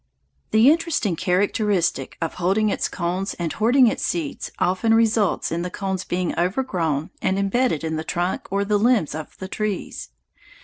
The interesting characteristic of holding its cones and hoarding seeds often results in the cones being overgrown and embedded in the trunk or the limbs of the trees.